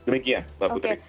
demikian mbak putri